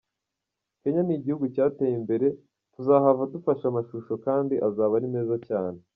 Kenya ni igihugu cyateye imbere ,tuzahava dufashe amashusho kandi azaba ari meza cyane.